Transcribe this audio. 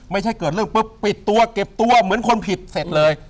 ไม่ใช่เกิดเรื่องปุ๊บปิดตัวเก็บตัวเหมือนคนผิดเสร็จเลย